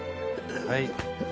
はい。